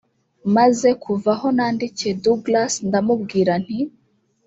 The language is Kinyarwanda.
Maze kuva aho nandikiye Douglas ndamubwira nti